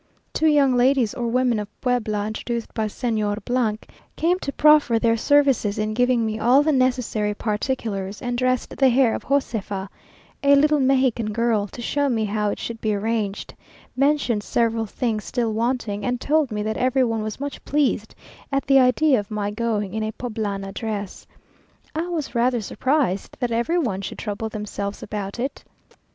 Two young ladies or women of Puebla, introduced by Señor came to proffer their services in giving me all the necessary particulars, and dressed the hair of Joséfa, a little Mexican girl, to show me how it should be arranged; mentioned several things still wanting, and told me that every one was much pleased at the idea of my going in a Poblana dress. I was rather surprised that every one should trouble themselves about it.